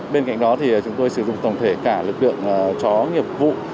bên cạnh đó thì chúng tôi sử dụng tổng thể cả lực lượng chó nghiệp vụ